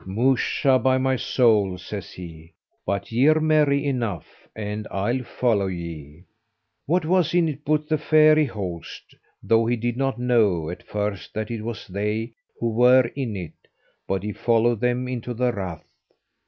"Musha, by my soul," says he, "but ye're merry enough, and I'll follow ye." What was in it but the fairy host, though he did not know at first that it was they who were in it, but he followed them into the rath.